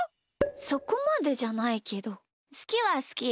そこまでじゃないけどすきはすき。